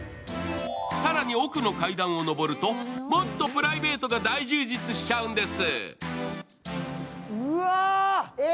更に奥の階段をのぼるともっとプライベートが大充実しちゃうんです。